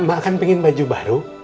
mak kan pingin baju baru